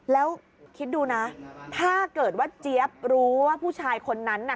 แล้วคิดดูนะถ้าเกิดว่าเจี๊ยบรู้ว่าผู้ชายคนนั้นน่ะ